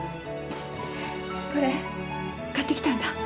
これ買ってきたんだ。